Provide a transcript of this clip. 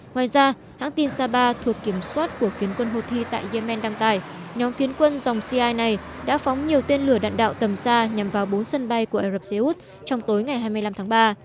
ngoài ra hãng tin saba thuộc kiểm soát của phiến quân houthi tại yemen đăng tải nhóm phiến quân dòng cia này đã phóng nhiều tên lửa đạn đạo tầm xa nhằm vào bốn sân bay của ả rập xê út trong tối ngày hai mươi năm tháng ba